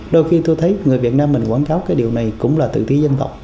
đôi khi tôi thấy người việt nam mình quảng cáo cái điều này cũng là tự tí dân tộc